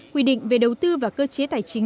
quy định về đầu tư và cơ chế tài chính